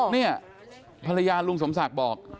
เนี่ยภรรยาลุงสมศักดิ์บอก